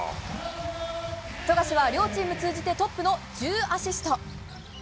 富樫は両チーム通じてトップの１０アシスト。